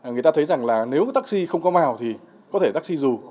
người ta thấy rằng là nếu taxi không có màu thì có thể taxi dù